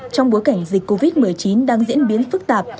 trong bối cảnh dịch covid một mươi chín đang diễn biến phức tạp